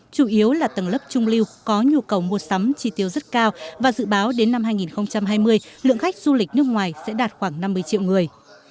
chủ yếu là tầng lớp trung lưu có nhu cầu mua sắm chi tiêu rất cao và dự báo đến năm hai nghìn hai mươi lượng khách du lịch nước ngoài sẽ đạt khoảng năm mươi triệu người